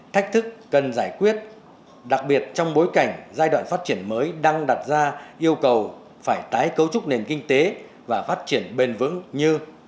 thách thức cần giải quyết đặc biệt trong bối cảnh giai đoạn phát triển mới đang đặt ra yêu cầu phải tái cấu trúc nền kinh tế và phát triển bền vững như